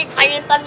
pengen tonton ya